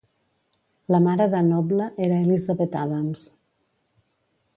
La mare de Noble era Elizabeth Adams.